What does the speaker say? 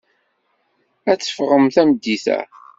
Ad teffɣem tameddit-a.